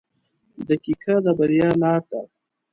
• دقیقه د بریا لار ده.